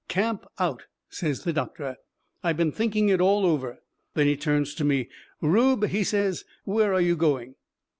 "Camp out," says the doctor. "I've been thinking it all over." Then he turns to me. "Rube," he says, "where are you going?"